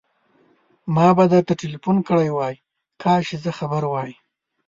ما به درته ټليفون کړی وای، کاش چې زه خبر وای.